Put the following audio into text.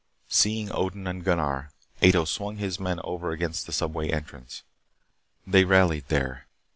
Seeing Odin and Gunnar, Ato swung his men over against the subway entrance. They rallied there.